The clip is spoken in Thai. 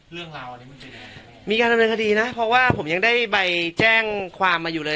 เรื่องราวอันนี้มันเป็นยังไงมีการดำเนินคดีนะเพราะว่าผมยังได้ใบแจ้งความมาอยู่เลย